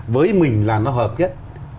với mình là nó hợp nhất